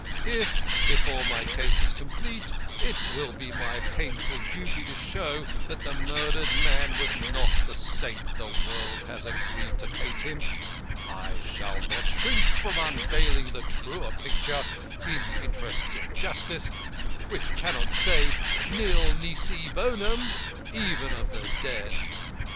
If, before my case is complete, it will be my painful duty to show that the murdered man was not the saint the world has agreed to paint him, I shall not shrink from unveiling the truer picture, in the interests of justice, which cannot say nil nisi bonum even of the dead.